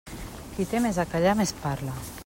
Qui té més a callar més parla.